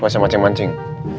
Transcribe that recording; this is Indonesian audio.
gak usah mancing mancing